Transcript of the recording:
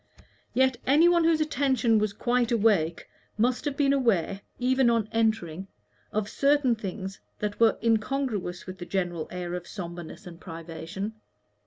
Yet any one whose attention was quite awake must have been aware, even on entering, of certain things that were incongruous with the general air of sombreness and privation.